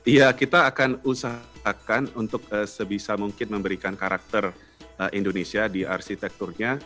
iya kita akan usahakan untuk sebisa mungkin memberikan karakter indonesia di arsitekturnya